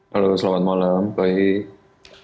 halo selamat malam baik